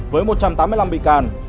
với một trăm tám mươi năm bị càn